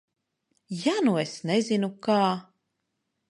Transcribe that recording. Ja nu es nezinu, kā?